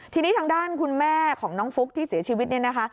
ทีนี้ทางด้านคุณแม่ของน้องฟุ๊กที่เสียชีวิตเนี่ยนะคะ